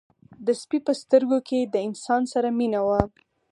د سپي په سترګو کې له انسان سره مینه وه.